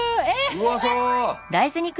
うまそう！